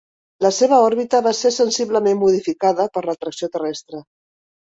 La seva òrbita va ser sensiblement modificada per l'atracció terrestre.